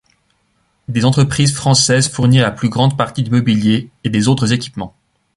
Des entreprises françaises fournirent la plus grande partie du mobilier et des autres équipements.